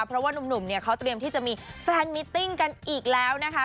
เพราะว่านุ่มเนี่ยเขาเตรียมที่จะมีแฟนมิตติ้งกันอีกแล้วนะคะ